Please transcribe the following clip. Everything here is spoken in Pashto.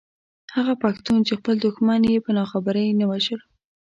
هغه پښتون چې خپل دښمن يې په ناخبرۍ نه وژلو.